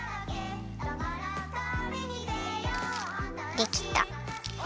できた。